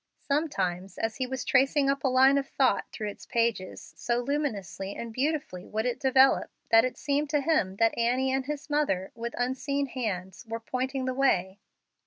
Sometimes as he was tracing up a line of thought through its pages, so luminously and beautifully would it develop that it seemed to him that Annie and his mother, with unseen hands, were pointing the way.